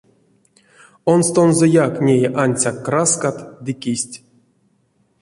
Онстонзояк неи ансяк краскат ды кистть.